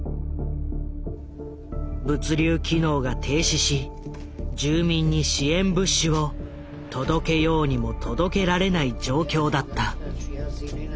物流機能が停止し住民に支援物資を届けようにも届けられない状況だった。